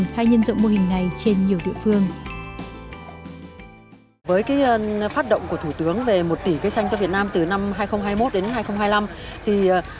khi bạn đã điều khiển ngựa đi